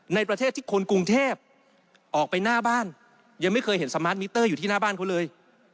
ในประเทศที่คนกรุงเทพออกไปหน้าบ้านยังไม่เคยเห็นสมาร์ทมิเตอร์อยู่ที่หน้าบ้านเขาเลย